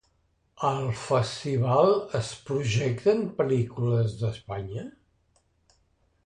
Al festival es projecten pel·lícules d'Espanya?